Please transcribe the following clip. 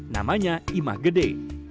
namanya imah gede